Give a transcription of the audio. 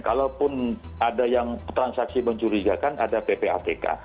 kalaupun ada yang transaksi mencurigakan ada ppatk